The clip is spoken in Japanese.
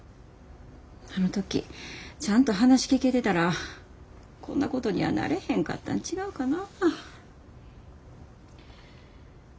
あの時ちゃんと話聞けてたらこんなことにはなれへんかったん違うかなぁ。